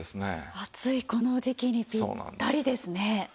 暑いこの時期にピッタリですね。